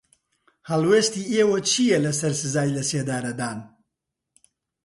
هەڵوێستی ئێوە چییە لەسەر سزای لەسێدارەدان؟